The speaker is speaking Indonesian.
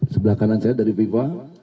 sebelah kanan saya dari viva